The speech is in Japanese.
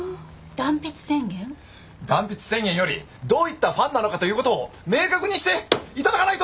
断筆宣言よりどういったファンなのかという事を明確にしていただかないと！